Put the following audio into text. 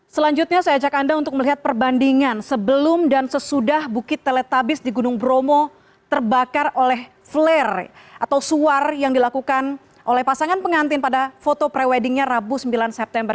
selanjutnya saya ajak anda untuk melihat perbandingan sebelum dan sesudah bukit teletabis di gunung bromo terbakar oleh flare atau suar yang dilakukan oleh pasangan pengantin pada foto pre weddingnya rabu sembilan september